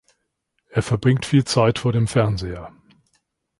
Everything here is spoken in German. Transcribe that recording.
Er verbringt viel Zeit vor dem Fernseher.